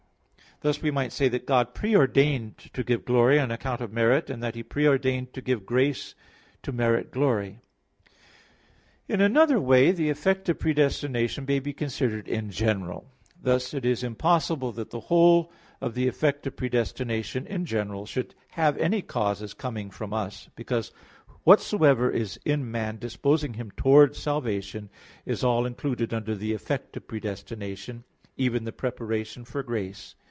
Thus we might say that God pre ordained to give glory on account of merit, and that He pre ordained to give grace to merit glory. In another way, the effect of predestination may be considered in general. Thus, it is impossible that the whole of the effect of predestination in general should have any cause as coming from us; because whatsoever is in man disposing him towards salvation, is all included under the effect of predestination; even the preparation for grace.